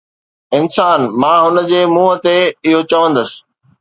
انسان، مان هن جي منهن تي اهو چوندس